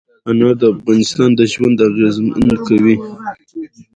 انار د افغانانو ژوند اغېزمن کوي.